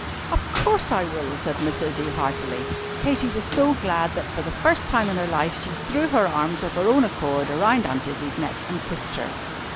"Of course I will!" said Miss Izzie, heartily. Katy was so glad, that, for the first time in her life, she threw her arms of her own accord round Aunt Izzie's neck, and kissed her.